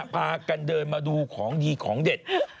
พากันเดินมาดูของดีของเด็ด